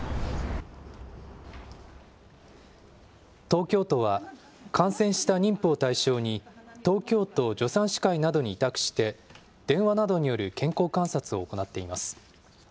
東京都は、感染した妊婦を対象に東京都助産師会などに委託して、電話などによる健康観察を行っています。